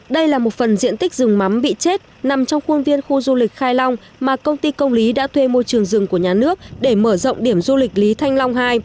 đây là một phần diện tích rừng mắm bị chết nằm trong khuôn viên khu du lịch khai long mà công ty công lý đã thuê môi trường rừng của nhà nước để mở rộng điểm du lịch lý thanh long hai